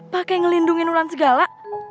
pakai ngelindungin ulan segala